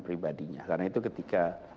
pribadinya karena itu ketika